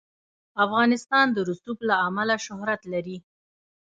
افغانستان د رسوب له امله شهرت لري.